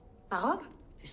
ああ？